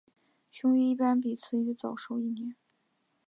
雄鱼一般比雌鱼早熟一年。